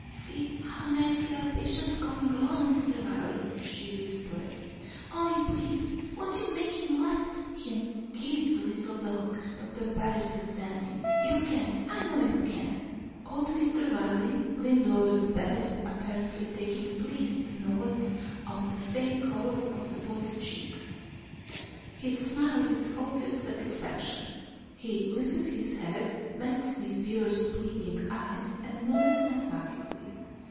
"See how nicely our patient's coming along, Mr. Wiley," she whispered. "Oh, please, won't you make them let him keep the little dog Doctor Parris sent him? You can. I know you can." Old Mr. Wiley leaned over the bed, apparently taking pleased note of the faint color on the boy's cheeks. He smiled with obvious satisfaction. He lifted his head, met Miss Beaver's pleading eyes, and nodded emphatically.